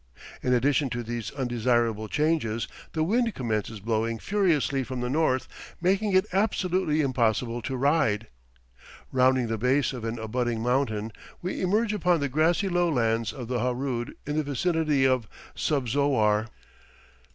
In addition to these undesirable changes, the wind commences blowing furiously from the north, making it absolutely impossible to ride. Rounding the base of an abutting mountain, we emerge upon the grassy lowlands of the Harood in the vicinity of Subzowar.